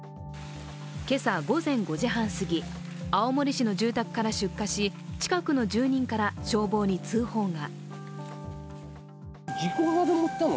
今朝午前５時半すぎ、青森市の住宅から出火し近くの住人から消防に通報が。